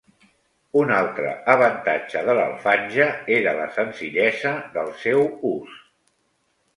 Un altre avantatge de l'alfange era la senzillesa del seu ús.